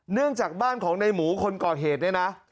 เนื่องจากบ้านของในหมูคนก่อเหตุเนี่ยนะ